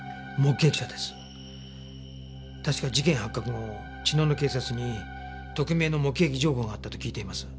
確か事件発覚後茅野の警察に匿名の目撃情報があったと聞いています。